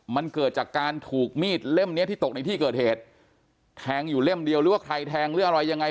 มันเกิดจากการถูกมีดเล่มเนี้ยที่ตกในที่เกิดเหตุแทงอยู่เล่มเดียวหรือว่าใครแทงหรืออะไรยังไง